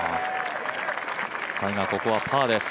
タイガー、ここはパーです。